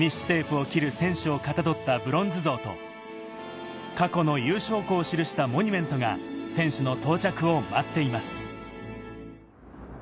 テープを切る選手をかたどったブロンズ像と過去の優勝校を記したモニュメントが選手の到着を待っています。